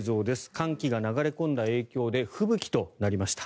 寒気が流れ込んだ影響で吹雪となりました。